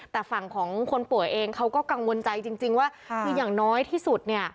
แต่ฝั่งของคนป่วยเองเขาก็กังวลใจจริงว่าคืออย่างน้อยที่สุดเนี่ย